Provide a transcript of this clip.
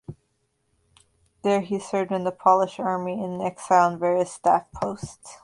There he served in the Polish Army in exile on various staff posts.